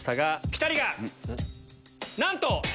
ピタリがなんと！